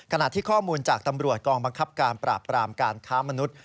ขณะที่ข้อมูลจากตำรวจกองบังคับการปราบปรามการค้ามนุษย